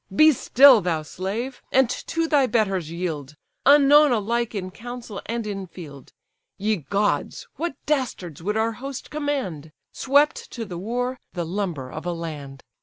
"Be still, thou slave, and to thy betters yield; Unknown alike in council and in field! Ye gods, what dastards would our host command! Swept to the war, the lumber of a land.